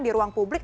di ruang publik